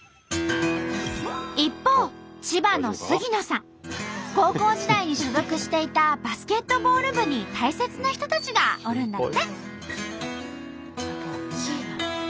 一方高校時代に所属していたバスケットボール部に大切な人たちがおるんだって。